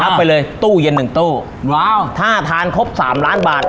ไปเลยตู้เย็นหนึ่งตู้ว้าวถ้าทานครบสามล้านบาท